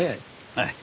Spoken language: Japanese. はい。